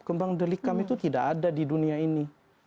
kembang delikam itu tidak ada di dunia ini